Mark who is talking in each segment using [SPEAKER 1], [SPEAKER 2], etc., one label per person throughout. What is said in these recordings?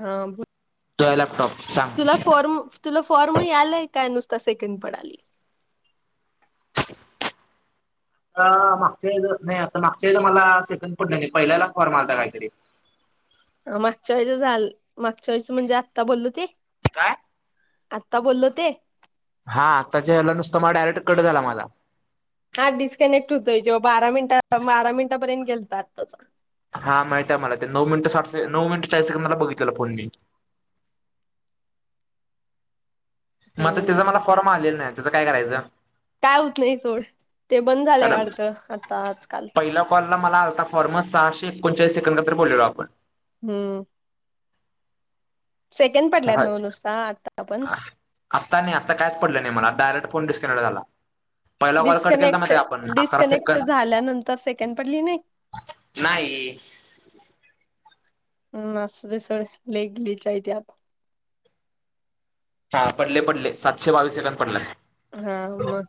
[SPEAKER 1] हा बोल
[SPEAKER 2] तो आहे लॅपटॉप सांग.
[SPEAKER 1] तुला फॉर्म तुला फॉर्म यालाय काय नुसता से कीन पडाली
[SPEAKER 2] अ मागच्या वेळेला नाही आता मागच्या वेळी तर मला सेकंड पडलेली पहिल्याला फॉर्म आलता काहीतरी.
[SPEAKER 1] ह मागच्या वेच झाल मागच्या वेळीसच म्हणजे आत्ता बोललो ते?
[SPEAKER 2] काय?
[SPEAKER 1] आत्ता बोलो ते.
[SPEAKER 2] हा आत्ताच्या हेला नुसतं मा डायरेक्ट कट झाला माझा.
[SPEAKER 1] हा डिस्कनेक्ट होतोय त बारा मिनट बारा मिनिटापर्यंत गेलता आताचा.
[SPEAKER 2] हा माहित आहे मला ते नऊ मिनिटं साठ नऊ मिनिटं चाळीस सेकंडला बघितलं फोन मी. मग
[SPEAKER 1] हम्म
[SPEAKER 2] त्याचा मला फॉर्म आलेला नाही. त्याचं काय करायचं.
[SPEAKER 1] काय होत नाही सोड ते बंद झालंय
[SPEAKER 2] कारण
[SPEAKER 1] वाडतं आता आजकाल.
[SPEAKER 2] पहिल्या कॉलला मला आता फॉर्मस सहाशे एकोणचाळीस सेकंड तर बोललेलो आपण.
[SPEAKER 1] हम्म सेकंड पडल्यात
[SPEAKER 2] सहा
[SPEAKER 1] नव्ह नुसता आता पण
[SPEAKER 2] आता नाही आता कायच पडलं नाही मला डायरेक्ट फोन डिस्कनेक्ट झाला. पहिला कॉल कट केलता
[SPEAKER 1] डिस्कनेक्ट
[SPEAKER 2] माहिती आहे का आपण अकरा
[SPEAKER 1] डिस्कनेक्ट
[SPEAKER 2] सेकंड
[SPEAKER 1] झाल्यानंतर सेकंड पडली नाही.
[SPEAKER 2] नाही.
[SPEAKER 1] हम्म असू दे सोड लयी गलीचय त्यात.
[SPEAKER 2] हा पडले पडले सातशे बावीस सेकंड पडले.
[SPEAKER 1] हा मग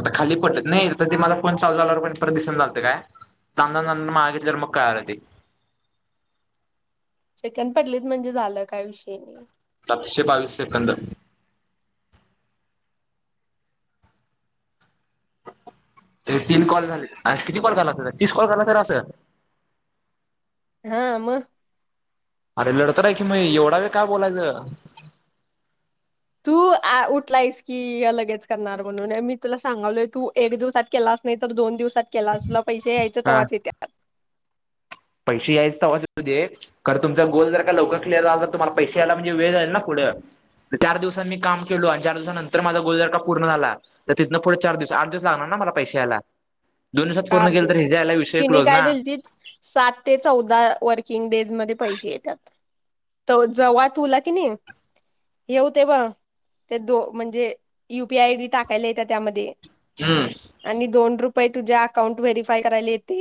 [SPEAKER 2] आता खाली पडत नाही तर ते मला फोन चालू झाल्यावर पण परत दिसून लागत काय तां मागे तर मग कायलं ते.
[SPEAKER 1] सेकंड पडलेत म्हणजे झालं काय विषय नाही.
[SPEAKER 2] पाचशे बावीस सेकंद. तर तीन कॉल झाले आ किती कॉल कराय लागत्यात तीस कॉल [unintelligible] असं
[SPEAKER 1] हा म.
[SPEAKER 2] अरे लढत आहे की मग एवढा वेळ काय बोलायचं.
[SPEAKER 1] तू उठला आहेस की अलगद. करणार म्हणून मी तुला सांगालोय तू एक दिवसात केलाच नाही तर दोन दिवस केलास तुला पैसे यायच
[SPEAKER 2] हा
[SPEAKER 1] तवाचं येतात.
[SPEAKER 2] पैसे यायचं तेव्हाच येऊ देत खरं तुमचा गोल जर का लवकर क्लिअर झाला तर तुम्हाला पैसे यायला म्हणजे वेळ जायील ना पुढं चार दिवसात मी काम केलो आणि चार दिवसांनंतर माझा गोल जर का पूर्ण झाला. तर तिथं पुढं चार दिवस आठ दिवस लागणार ना मला पैशा यायला. दोन दिवसात पूर्ण
[SPEAKER 1] चार
[SPEAKER 2] केले
[SPEAKER 1] दि
[SPEAKER 2] तर हेज्या आईला विषय
[SPEAKER 1] तिने
[SPEAKER 2] क्लोज
[SPEAKER 1] काय
[SPEAKER 2] ना.
[SPEAKER 1] दिलतीत सात ते चौदा वर्किंग डेज मध्ये पैसे येतात तर जव्हा तुला की नाही हे होते ब ते दो म्हणजे युपीआय आयडी टाकायला येत्या त्यामध्ये
[SPEAKER 2] हम्म
[SPEAKER 1] आणि दोन रुप पै तू जा. अकाउंट व्हेरीफाय करायला येते.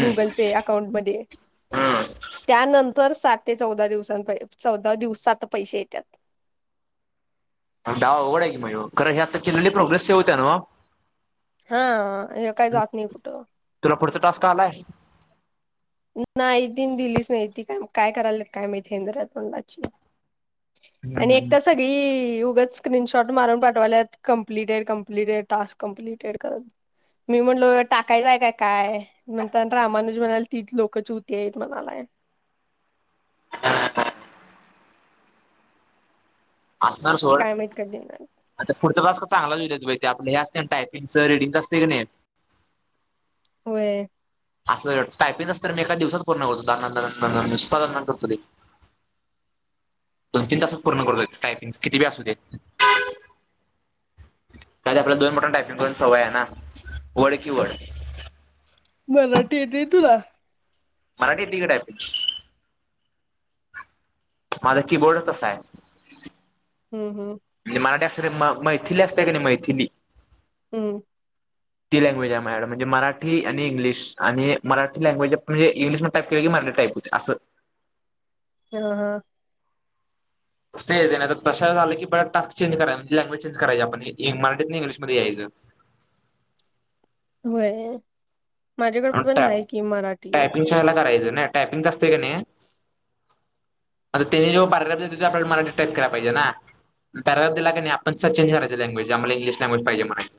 [SPEAKER 1] गुगल पे अकाउंटमध्ये
[SPEAKER 2] हम्म
[SPEAKER 1] त्यानं तर सात ते चौदा दिवसां चौदा दिवसात पैसे येतात.
[SPEAKER 2] डाव आवगड आहे की यो खरं हे आता केिलेली प्रोग्रेस सेव होत्या नवं.
[SPEAKER 1] हा हे काही जात नाही कुठं.
[SPEAKER 2] तुला पुढचा टास्क आलाय.
[SPEAKER 1] नाही त दिलीच नाही ती का काय करायला काय माहितीे इंद्रातोंडाची.
[SPEAKER 2] हम्म
[SPEAKER 1] आणि एक
[SPEAKER 2] हम्म.
[SPEAKER 1] तर सगळी स्क्रीन शॉट मारून टाकायला टास्क कंपलेतेड कम्प्लीटेड मी म्हटले टाकायचे काय तीच लोक च होती आहेत म्हणालाय..
[SPEAKER 2] हा ह आसन सोड
[SPEAKER 1] काय माहित कधी येणार
[SPEAKER 2] अच्छा पुढचा टास्क चांगलाच हो आपलं हे असते टायपिंगचं रीडिंगचं असते की नाही.
[SPEAKER 1] होय
[SPEAKER 2] असं टायपिंगच तर मी एका दिवसात पूर्ण करतो द करतो ते दोन तीन तासात पूर्ण करतो टायपिंग किती बे असू दे का आपलं दोन मोट टायपिंग करून सवय आहे ना वड कि वड
[SPEAKER 1] मराठी येते तुला..
[SPEAKER 2] मराठी तिक ट आहेप माझा कीबोर्ड तसा आहे.
[SPEAKER 1] हम्म हम्म
[SPEAKER 2] म्हणजे मराठी अस म मैथिली असते का नाही मैथिली.
[SPEAKER 1] हम्म
[SPEAKER 2] ती लँग्वेज आहे मझड म्हणजे मराठी आणि इंग्लिश आणि मराठी लँग्वेज म्हणजे इंग्लिश म टाईप केलं की मराठी टाईप होते अस..
[SPEAKER 1] हा हा
[SPEAKER 2] कसंय तेन तशा झालं की परत टास्क चेंज करायचं म्हणजे लँग्वेज चेंज करायची आपण मराठीत इंग्लिशमध्ये यायचं.
[SPEAKER 1] होय. माझ्याकडे पण आहे की मराठी.
[SPEAKER 2] टायपिंगलाच्या ह्याला करायचं. नाय टायपिंग आसतोय कनय आता त्यांनी जो पॅराग्राफ देत तो आपल्याला मराठी टाईप कराय पाहिजे ना पॅराग्राफ दिला का नाही आपण सच चेंज करायची लँग्वेज आम्हाला इंग्लिश लँग्वेज पाहिजे म्हणायच.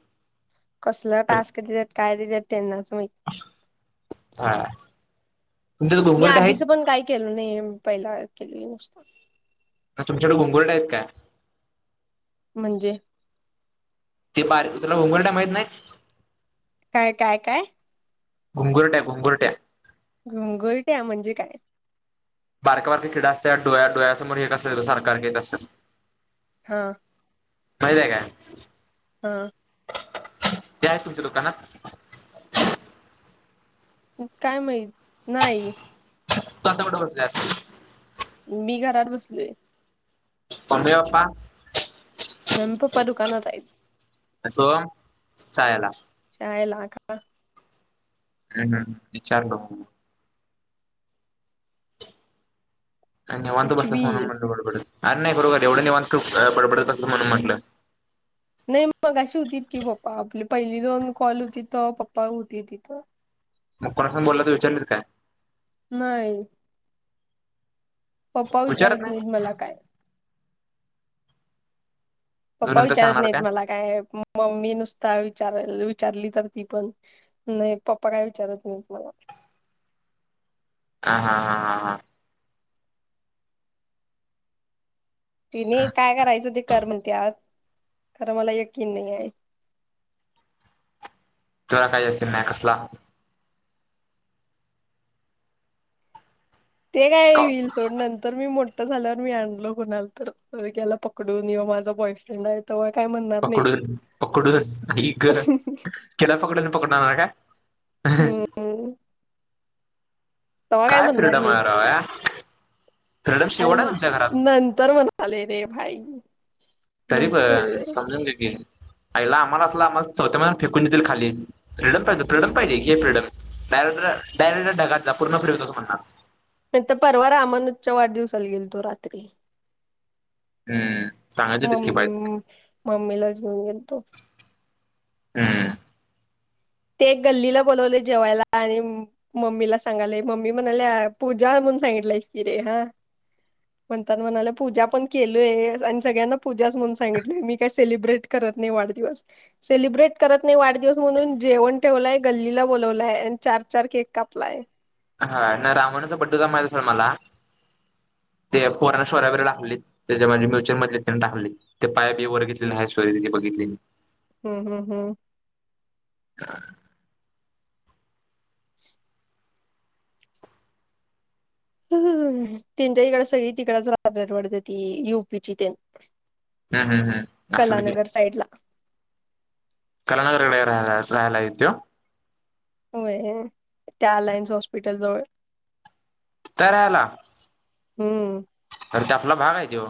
[SPEAKER 1] कसला टास्क देत्यात काय देत्यात त्यांनाचं माहित.
[SPEAKER 2] हा तुमच्याकडे
[SPEAKER 1] मी
[SPEAKER 2] घुंगुरट्या आहेत
[SPEAKER 1] आधीचं पण काय केलं नायये. पहिला केल हे नुसता
[SPEAKER 2] तुमच्याकडे घुंगुरट्या टाईप काय??
[SPEAKER 1] म्हणजे
[SPEAKER 2] ते पार तुला घुंगुरट्या माहित नाय.
[SPEAKER 1] काय काय काय?
[SPEAKER 2] घुंगुरट्या घुंगुरट्या
[SPEAKER 1] घुंगुरट्या म्हणजे काय?
[SPEAKER 2] बारक बारक कीड असत्यात डोळ्या डोळ्यासमोर येत असतात सारखा सारखा येत असतात.
[SPEAKER 1] हा
[SPEAKER 2] माहित हाय काय?
[SPEAKER 1] हा
[SPEAKER 2] ते आहेत तुमच्या दुकानात
[SPEAKER 1] काय माहित नाही.
[SPEAKER 2] तू आता कुठ बसलीयास.
[SPEAKER 1] मी घरात बसलोय.
[SPEAKER 2] मम्मी पप्पा
[SPEAKER 1] मम्मी पप्पा दुकानात हाईत.
[SPEAKER 2] आणि सोहंम शाळेला
[SPEAKER 1] काय लाग हं
[SPEAKER 2] [unintelligible] विचारलं. काय निवांत
[SPEAKER 1] कुछ भी
[SPEAKER 2] बसलीस म्हणून म्हणलो बडबडीत. अर नाय एवढं निवांत बडबडत असतं म्हणून म्हटलं
[SPEAKER 1] नाही मगाशी होतीत की पप्पा आपली पहिली दोन कॉल होती तवा पप्पा होती तिथं.
[SPEAKER 2] मग कोणा संग बोलला तू विचारलत काय?
[SPEAKER 1] नाय. पप्पा विचारत नाईत मला काय.
[SPEAKER 2] तू
[SPEAKER 1] पप्पा
[SPEAKER 2] नंतर
[SPEAKER 1] विचारत
[SPEAKER 2] सांगणार
[SPEAKER 1] नाहीत मला काय मम्मी नुस काय विचारली तर ती पण नाही पप्पा काय विचारत नाहीत मला.
[SPEAKER 2] हा हा हा हा हा
[SPEAKER 1] तिनी
[SPEAKER 2] हम्म
[SPEAKER 1] काय करायचं ते कर म्हणत्यात खरं मला यकीन नाही आहे.
[SPEAKER 2] तुला काय यकीन नाय कसला?
[SPEAKER 1] ते काय होईल सोड नंतर मी मोठ मोठ झाल्यावर मी आणलो, कुणाला तर पोरग्याला पकडून यो माझा बॉयफ्रेंड आहे तो वर.
[SPEAKER 2] पकडून पकडून ई गं, किडा पकडून पकडणार काय.
[SPEAKER 1] हम्म तेव्हा
[SPEAKER 2] काय
[SPEAKER 1] म्हणणार
[SPEAKER 2] फ्रीडम
[SPEAKER 1] नाहीत
[SPEAKER 2] आहे राव
[SPEAKER 1] कोण
[SPEAKER 2] यार.
[SPEAKER 1] [unintelligible] नंतर म्हणाले रे भाई.
[SPEAKER 2] तरी पण
[SPEAKER 1] नंतर
[SPEAKER 2] समजून घे की, आईला आम्हाला असल आम्हासणी चौथ्या मजल्यावरून फेकून देतील खाली. फ्रीडम पाहिजे, फ्रीडम पाहिजे घे फ्रीडम डायरेट डायरेट ढगात जा पूर्ण फ्रीडम देतो म्हणणार.
[SPEAKER 1] परवा रामोनोच्या वाढदिवसाला गेलतो रात्री,
[SPEAKER 2] हम्म. सांगायची डिस्की
[SPEAKER 1] मम्मी,
[SPEAKER 2] पाहिजे
[SPEAKER 1] मम्मीला च घेऊन गेलतो.
[SPEAKER 2] हम.
[SPEAKER 1] ते गल्लीला बोलवलय जेवायला आणि मम्मीला सांगाले, मम्मी म्हणाल्या पूजा म्हणून सांगितलायसं की रे हा, म्हणताना म्हणाले पूजा पण केलोय. आणि सगळ्यांना पूजाच म्हणून सांगितलोय. मी काय सेलिब्रेट करत नाही वाढदिवस. सेलिब्रेट करत नाही वाढदिवस म्हणून, जेवण ठेवलाय गल्लीला, बोलावलाय आणि चार चार केक कापलाय.
[SPEAKER 2] हा रामूनचा बंडू दा माहित आहे सोड मला. ते पोरांनी स्टोऱ्या बिर्या टाकलेल्या ते म्युचल मधल्यांनी टाकलेल्या ते पाय बी वर घेतलेली स्टोरी बघितली मी.
[SPEAKER 1] हम्म. हम्म. हम्म.
[SPEAKER 2] [unintelligible]
[SPEAKER 1] ह.. त्यांच्या इकड सगळी तिकडच राहतेती, वाटत ती युपीची तेन
[SPEAKER 2] हम हम हम अस असल की,
[SPEAKER 1] कलानगर साईड ला
[SPEAKER 2] कलानगर कड राहायला हाय त्यो,
[SPEAKER 1] होय, त्या अलायन्स हॉस्पिटल जवळ.
[SPEAKER 2] तीत हाय राहिला.
[SPEAKER 1] हम्म.
[SPEAKER 2] आर ते आपला भाग आहे तो.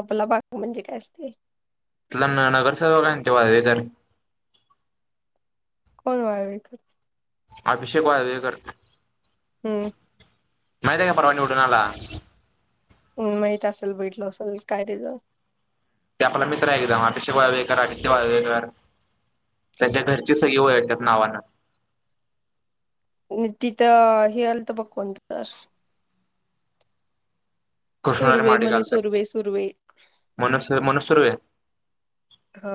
[SPEAKER 1] आपला भाग म्हणजे, काय असतय.
[SPEAKER 2] तुझा नगरसेवक हाय ना तो वाळवेकर.
[SPEAKER 1] कोण वाळवेकर?
[SPEAKER 2] अभिषेक वाळवेकर.
[SPEAKER 1] हम्म.
[SPEAKER 2] माहित आहे काय परवा निवडून आला.
[SPEAKER 1] हम माहित असेल बघितलो, असेल काय तेज.
[SPEAKER 2] ते आपला मित्र आहे. एकदम अभिषेक वाळवेकर आदित्य वाळवेकर. त्यांच्या घरची सगळी ओळ त्यात नावनं,
[SPEAKER 1] तिथं हे आलं त बघ कोण तर,
[SPEAKER 2] कृष्णाला
[SPEAKER 1] सुर्वे
[SPEAKER 2] माडे
[SPEAKER 1] म्हणून
[SPEAKER 2] घालतात.
[SPEAKER 1] सुर्वे सुर्वे
[SPEAKER 2] मनोज सुर्वे आहे.
[SPEAKER 1] हा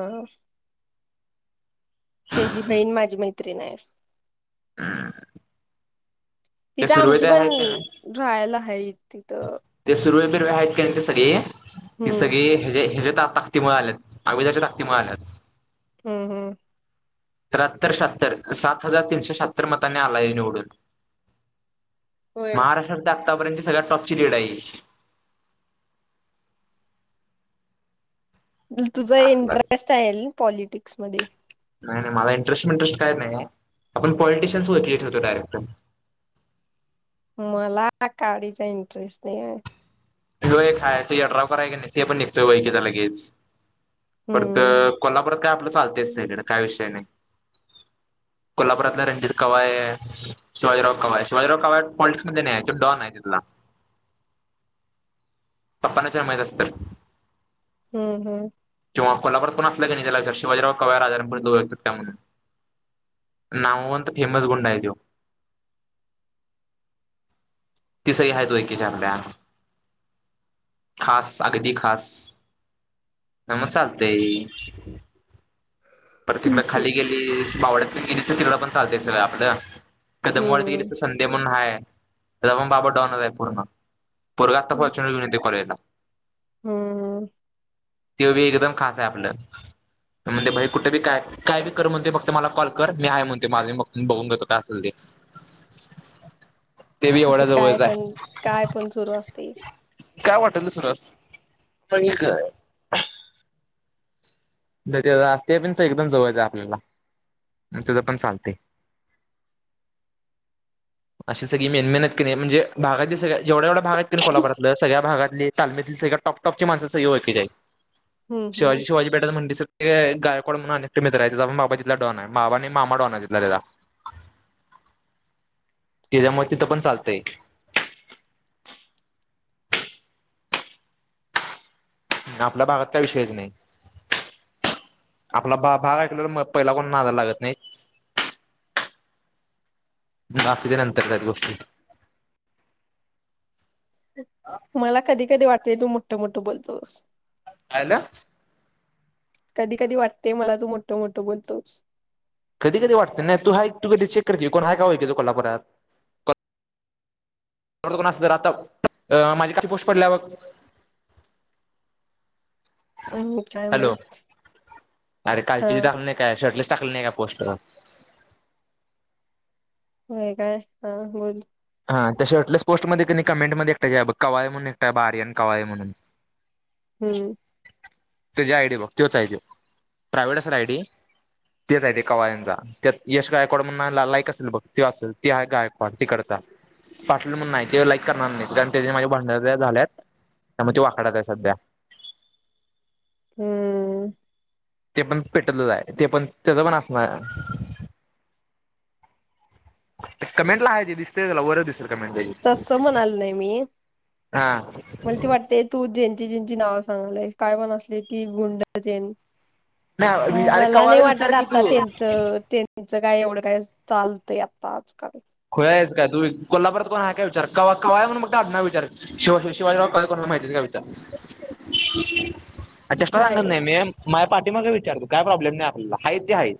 [SPEAKER 1] तेची बहीण माझी माझी मै त्रीण आहे.
[SPEAKER 2] हम्म ते
[SPEAKER 1] तिथं,
[SPEAKER 2] सुर्वे
[SPEAKER 1] आमची
[SPEAKER 2] ते
[SPEAKER 1] पण
[SPEAKER 2] आहेत ना
[SPEAKER 1] राहायला आहेत. ती.
[SPEAKER 2] ते सुर्वे आहेत का ते सगळे.. ती
[SPEAKER 1] हम्म
[SPEAKER 2] सगळी हजे हजेत ताकतीमुळे आल्यात आमजाच्या ताकतीमुळे आल्यात..
[SPEAKER 1] हम्म हम्म
[SPEAKER 2] त्र्याहत्तर शात्तर सात हजार तीनशे शात्तर मताने आलाय निवडून..
[SPEAKER 1] होय
[SPEAKER 2] महाराष्ट्रात आतापर्यंत सगळ्या टॉप लीड आहे
[SPEAKER 1] तुझं इंटरेस्ट आहे पॉलिटिक्स. समध्ये
[SPEAKER 2] नाही नाही मला इंटरेस्ट म इंटरेस्ट काय नाही आपण पॉलिटिशयनस वतले ठेवतो डायरेक्टर
[SPEAKER 1] मला काडीचा इंटरेस्ट नाही आहे.
[SPEAKER 2] हो एक काय तो यड्राव कय की नाही ते पण निघतोय वैकीचा लगेच... परत
[SPEAKER 1] हम्म
[SPEAKER 2] कोल्हापुरात काय आपलं चालते काय विषय नाही कोल्हापुरातले रणजित कवाय शिवाजीराव कवाय शिवाजीराव कवाय पॉलिटिक्स मध्ये नाही आहे तो डॉन आहे तिथला.. पप्पा ना विचार माहित असेल त्यांना...
[SPEAKER 1] हम्म हम्म
[SPEAKER 2] किंवा कोल्हापूर कोण असला की नाही त्याात शिवाजीराव कव आजारांपर्यंतोतात त्या म्हून नामवंत फेमस गुंडा आहे तो.. तिसही आहे तो एकीच्याकल्या खास अगदी खास म म चालतय ह प्रतड
[SPEAKER 1] विषय
[SPEAKER 2] खाली गेली मावळ्यात गिरीचं तिकड पण चालत सगय आपलं.. कदम वाती गेली
[SPEAKER 1] हम्म
[SPEAKER 2] त संधी म्हणून हय त्या पण बाबा डॉनर आहे पूर्ण.. पोरगा आता फोरचुनर घेऊन येतो कॉलेजला..
[SPEAKER 1] हम्म म्म
[SPEAKER 2] ते बी एकदम खास आहे आपलं म्हणजे बाहेर कुठे बी काय काय बी कर म्हणते फक्त मला कॉल कर मी आहे म्हणते माझ बघून घेतो काय असेल ते. ते बी
[SPEAKER 1] तेच
[SPEAKER 2] एवढ्या
[SPEAKER 1] काय
[SPEAKER 2] जवळच
[SPEAKER 1] पण
[SPEAKER 2] आहे
[SPEAKER 1] काय पण सुरू असते.
[SPEAKER 2] काय वाटल त सुरु असतंय. [unintelligible] [unintelligible] एकदम जवळयचं आपल्याला म्हणून त्यज पण चालतय अशी सगळी मेन मेहनत कनि म्हणजे भागातील सगळी जेवढ्या जेवढ्या भाग आहेत कनि कोल्हापुरातलं सगळ्या भागात तालमीतली सगळ्यात टॉप टॉपची माणसं सगळी ओळखीची आहेत.
[SPEAKER 1] हम्म हम्म
[SPEAKER 2] शिवाजी शिवाजी पेठत म्हणते सग गायकवाड म्हण आले. मित्र आहे बाबा तिथ डॉन आहे बाबा आणि मामा डॉन आहे तितला त्याचा त्याच्यामुळे तिथं पण चालतंय. आपल्या भागात काही विषयच नाही आपला भा भाग ऐकल्यावर पहिला कोण नादाला लागत नाही बाकीच्या नंतर त्यात गोष्टी.
[SPEAKER 1] मला कधी कधी वाटत. ते तू मोठ मोठं बोलतोस.
[SPEAKER 2] काय झालं.
[SPEAKER 1] कधी कधी वाटते मला तू मोठं मोठं बोलतोस.
[SPEAKER 2] कधी कधी वाटते नाही तू हायक तू कधी चेक कर कोण हाय का कोल्हापुरात. [unintelligible] तर आता अ माझी कशी पोस्ट पडल्या बग
[SPEAKER 1] हम्म काय माहित
[SPEAKER 2] हॅलो अरे
[SPEAKER 1] हा
[SPEAKER 2] कालची ते झालं नाही काय [unintelligible] टाकल्या पोस्ट.
[SPEAKER 1] हो काय. हा बोल
[SPEAKER 2] हा त्या शर्टलेस पोस्टमध्ये क कमेंट मध्ये कानी कवाय म्हणून आहे बघ एकटा आहे आर्यन कवाय म्हणून.
[SPEAKER 1] हम्म
[SPEAKER 2] त्याची आयडी बघ तच आहे त प्रायव्हेट असेल आयडी तेच ते कवायंचा त्यात यश गायकवाड म्हण लाईक असेल बघ त असेल त गायकवाड तिकडचा पाटिल म्हणून आहे नाही ते लाईक करणार नाही कारण त्या माझ्या भांडन झाल्यात त्यामुळे ते वाकड्यात आहे सध्या.
[SPEAKER 1] हम्म
[SPEAKER 2] ते पण पेटत च हाय ते पण त्याच पण असणार.. ते कमेंट ला हाय दिसतयं तुला वर च दिसल.
[SPEAKER 1] तस म्हणाल नाही मी.
[SPEAKER 2] हा
[SPEAKER 1] मला त वाटते तू जे जेंची नाव सांगलय काय पण असले की गुंड जी
[SPEAKER 2] नाही अरे
[SPEAKER 1] मला नाही
[SPEAKER 2] कवाळ विचार
[SPEAKER 1] वाटत
[SPEAKER 2] की
[SPEAKER 1] आता
[SPEAKER 2] तू
[SPEAKER 1] त्यांच त्यांच काय एवढं काय चालतंय आता आजकाल.
[SPEAKER 2] खुळ आहेस काय तू कोल्हापुरात कोण आहे का विचार क कवाळे आहे म्हण बग विचार शिवा शिवाजीराव कवाळे कोणाला माहिती का विचार. चेष्टा सांगत
[SPEAKER 1] होय
[SPEAKER 2] नाही मी. पाठीमाग विचार काय प्रॉब्लेम नाही आपल्याला, हाय ते हाय.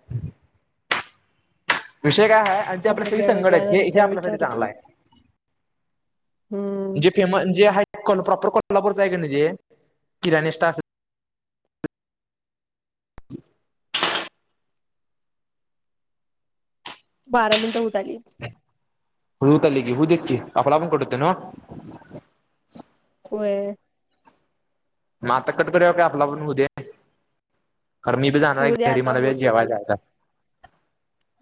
[SPEAKER 2] विषय काय आहे आणिचे आपल्या संग
[SPEAKER 1] बघ्या
[SPEAKER 2] संगट
[SPEAKER 1] बघ्या
[SPEAKER 2] आहेत हे, हे
[SPEAKER 1] नंतर
[SPEAKER 2] आपल्यासाठी चांगलं
[SPEAKER 1] विचारतो
[SPEAKER 2] आहे.
[SPEAKER 1] हम्म
[SPEAKER 2] जे फेमस जे आहे ल प्रॉपर कॉलपरच आहे [unintelligible] [inaudible]
[SPEAKER 1] बारा मिनटं होत आली.
[SPEAKER 2] होऊत आली की होऊ देत की आपला आपण कट होतं नवं.
[SPEAKER 1] होय.
[SPEAKER 2] म आता कट कराव काय आपला आपण होऊ दे. कारण मी बी जाणार
[SPEAKER 1] होऊ
[SPEAKER 2] आहे
[SPEAKER 1] द्या
[SPEAKER 2] घरी
[SPEAKER 1] आता
[SPEAKER 2] मला बी
[SPEAKER 1] होतच
[SPEAKER 2] जेवाय
[SPEAKER 1] आलं
[SPEAKER 2] जायचाय.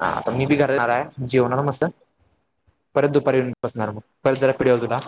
[SPEAKER 2] हा आता मी बी घरात जाणार आहे जेवणार मस्त परत दुपारी येऊन बसणार मग परत जरा पिढ्याव तुला.